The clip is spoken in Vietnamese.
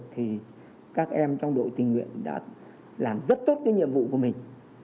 thì các em trong đội tình nguyện đã làm rất tốt cái nhiệm vụ của mình